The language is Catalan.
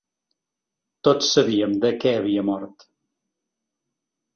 Tots sabíem de què havia mort.